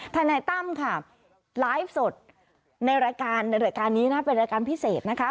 ทนายตั้มค่ะไลฟ์สดในรายการในรายการนี้นะเป็นรายการพิเศษนะคะ